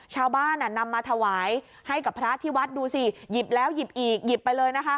ชาวบ้านนำมาถวายให้กับพระที่วัดดูสิหยิบแล้วหยิบอีกหยิบไปเลยนะคะ